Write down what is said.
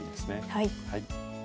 はい。